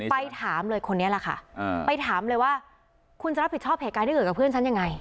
ไปถามเลยคนนี้แหละค่ะไปถามเลยว่าคุณจะรับผิดชอบเหตุการณ์ที่เกิดกับเพื่อนฉันยังไง